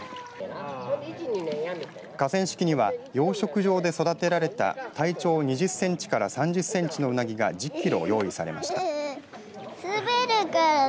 河川敷には養殖場で育てられた体長２０センチから３０センチのウナギが１０キロ用意されました。